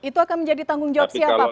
itu akan menjadi tanggung jawab siapa pak